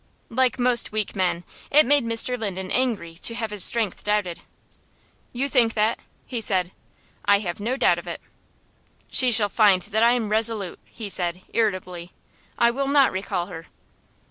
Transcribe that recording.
Like most weak men, it made Mr. Linden angry to have his strength doubted. "You think that?" he said. "I have no doubt of it." "She shall find that I am resolute," he said, irritably. "I will not recall her."